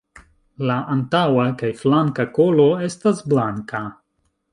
La antaŭa kaj flanka kolo estas blanka.